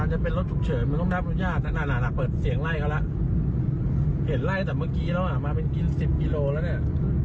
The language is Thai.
เห็นไล่แต่เมื่อกี้แล้วมาเป็นกิน๑๐กิโลเมตรแล้ว